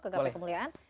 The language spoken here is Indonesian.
ke gapai kemuliaan